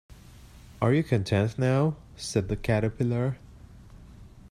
‘Are you content now?’ said the Caterpillar.